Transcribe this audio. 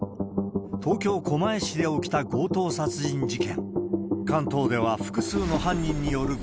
東京・狛江市で起きた強盗殺人事件。